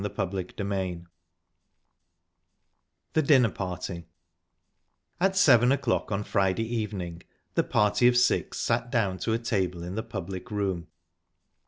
Chapter VII THE DINNER PARTY At seven o'clock on Friday evening the party of six sat down to table in the public room.